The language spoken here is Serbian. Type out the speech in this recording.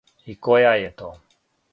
И која је то?